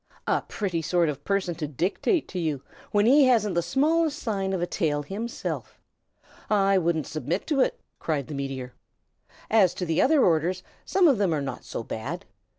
"A pretty sort of person to dictate to you, when he hasn't the smallest sign of a tail himself! I wouldn't submit to it!" cried the meteor. "As to the other orders, some of them are not so bad.